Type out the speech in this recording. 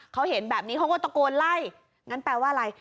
เขาเห็นแบบนี้เขาก็ตะโกนไล่งั้นแปลว่าอะไร